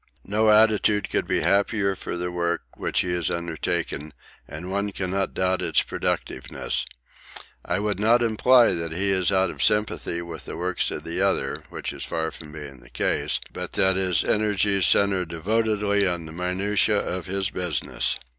No attitude could be happier for the work which he has undertaken, and one cannot doubt its productiveness. I would not imply that he is out of sympathy with the works of others, which is far from being the case, but that his energies centre devotedly on the minutiae of his business.